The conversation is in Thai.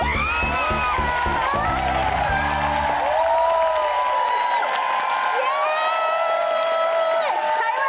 เย่